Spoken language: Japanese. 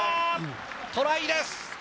トライです！